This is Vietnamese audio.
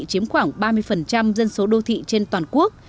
chiếm khoảng ba mươi dân số đô thị trên toàn quốc